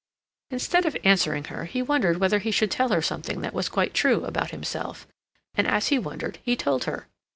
Instead of answering her, he wondered whether he should tell her something that was quite true about himself; and as he wondered, he told her.